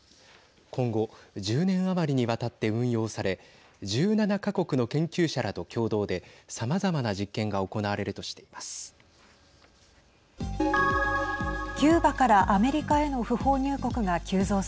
今後１０年余りにわたって運用され１７か国の研究者らと共同でさまざまな実験が行われるとしています。